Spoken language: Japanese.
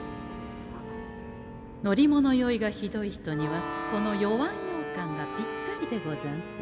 乗り物酔いがひどい人にはこの「酔わんようかん」がぴったりでござんす。